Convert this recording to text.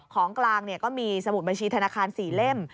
ของกลางก็มีสมุดบัญชีธนาคาร๔เล่ม